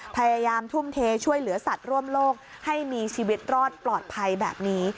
พยายามทุ่มเทช่วยเหลือสัตว์ร่วมโลกให้มีชีวิตรอดปลอดภัยแบบนี้